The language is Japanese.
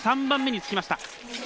３番目につきました。